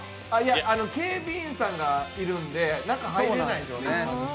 警備員さんがいるんで、中入れないですよね。